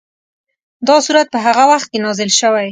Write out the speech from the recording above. دا سورت په هغه وخت کې نازل شوی.